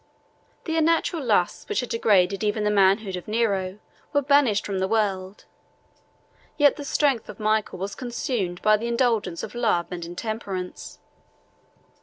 The unnatural lusts which had degraded even the manhood of Nero, were banished from the world; yet the strength of Michael was consumed by the indulgence of love and intemperance.